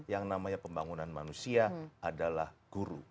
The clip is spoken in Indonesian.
yang namanya pembangunan manusia adalah guru